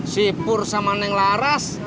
sipur sama neng laras